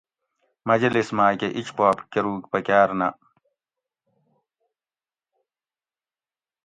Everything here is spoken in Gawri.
مجلس ماکہ اِج پا کۤروگ پکار نہ